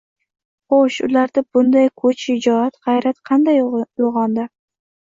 Xoʻsh, ularda bunday kuch, shijoat, gʻayrat qanday uygʻondi?